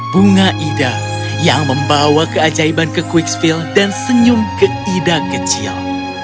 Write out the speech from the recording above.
bunga ida yang membawa keajaiban ke quicksville dan senyum ke ida kecil